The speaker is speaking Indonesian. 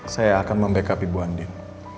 saya akan membackup ibu andin